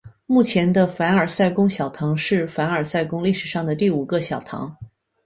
目前的凡尔赛宫小堂是凡尔赛宫历史上的第五个小堂。